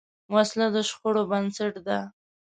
وسله د شخړو بنسټ ده